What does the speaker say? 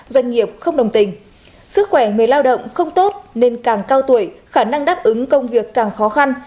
doanh nghiệp không đồng tình sức khỏe người lao động không tốt nên càng cao tuổi khả năng đáp ứng công việc càng khó khăn